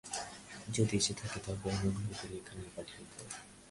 যদি এসে থাকে, তবে অনুগ্রহ করে এখানে পাঠিয়ে দিও।